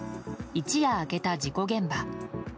一夜明けた事故現場。